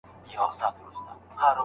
پښتو ټایپنګ یوه اړتیا ده.